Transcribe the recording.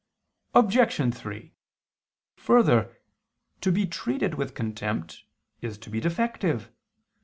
Obj. 3: Further, to be treated with contempt is to be defective.